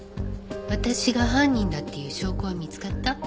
私が犯人だっていう証拠は見つかった？